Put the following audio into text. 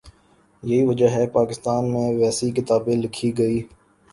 یہی وجہ ہے کہ پاکستان میں ویسی کتابیں لکھی گئیں۔